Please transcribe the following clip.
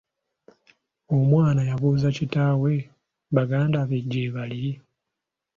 Omwana yabuuza kitaawe baganda be gye baali.